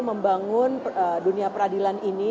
membangun dunia peradilan ini